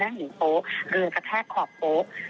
เรื่องนี้ทีมข่าวได้โทรศัพท์ไปสอบถามเจ้าหน้าที่วัดเทวราชกุญชรนะครับ